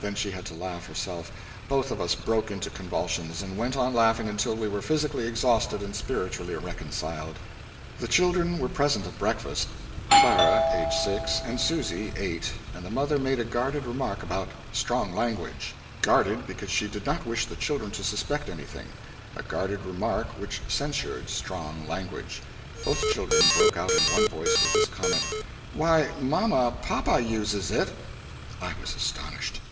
Then she had to laugh herself. Both of us broke into convulsions, and went on laughing until we were physically exhausted and spiritually reconciled. The children were present at breakfast Clara aged six and Susy eight and the mother made a guarded remark about strong language; guarded because she did not wish the children to suspect anything a guarded remark which censured strong language. Both children broke out in one voice with this comment, "Why, mamma, papa uses it!" I was astonished.